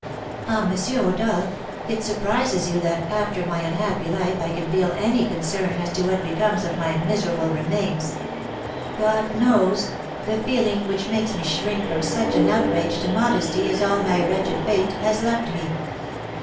"Ah, M. Rodolph, it surprises you that, after my unhappy life, I can feel any concern as to what becomes of my miserable remains! God knows, the feeling which makes me shrink from such an outrage to modesty is all my wretched fate has left me!"